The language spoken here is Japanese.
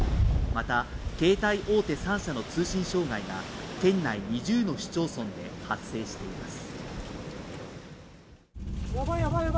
また携帯大手３社の通信障害が県内２０の市町村で発生しています。